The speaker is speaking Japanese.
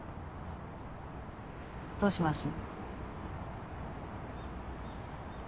どうします？